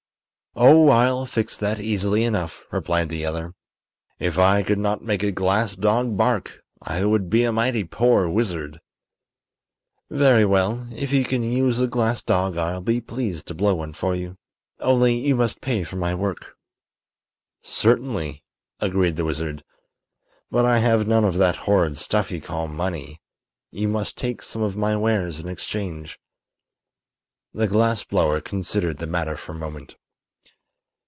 "Oh, I'll fix that easily enough," replied the other. "If I could not make a glass dog bark I would be a mighty poor wizard." "Very well; if you can use a glass dog I'll be pleased to blow one for you. Only, you must pay for my work." "Certainly," agreed the wizard. "But I have none of that horrid stuff you call money. You must take some of my wares in exchange." The glass blower considered the matter for a moment.